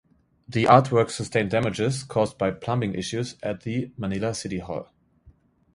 The artwork sustained damages caused by plumbing issues at the Manila City Hall.